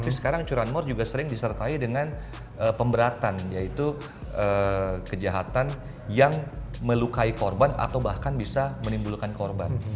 tapi sekarang curanmor juga sering disertai dengan pemberatan yaitu kejahatan yang melukai korban atau bahkan bisa menimbulkan korban